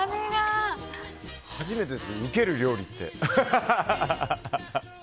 初めてです、ウケる料理って。